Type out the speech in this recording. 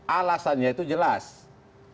alasannya itu jelasnya